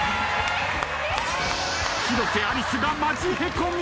広瀬アリスがマジへこみ。